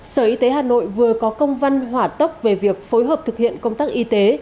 sở y tế hà nội vừa có công văn hỏa tốc về việc phối hợp thực hiện công tác y tế